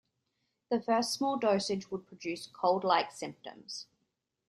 The first small dosage would produce cold-like symptoms.